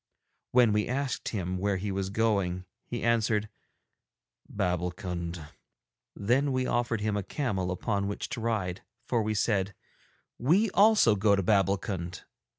When we asked him where he was going, he answered 'Babbulkund.' Then we offered him a camel upon which to ride, for we said, 'We also go to Babbulkund.'